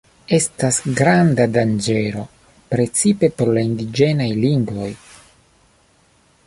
Estas granda danĝero precipe por la indiĝenaj lingvoj.